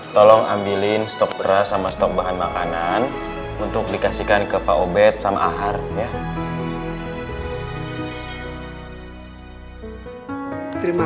tolong ambilin stok gara sama stok bahan makanan untuk dikasihkan ke pak obet sama akarnya terima